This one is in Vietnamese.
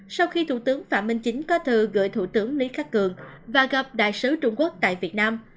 sau khi thủ tướng phạm minh chính có thư gửi thủ tướng lý khắc cường và gặp đại sứ trung quốc tại việt nam